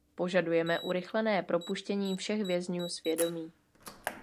Požadujeme urychlené propuštění všech vězňů svědomí.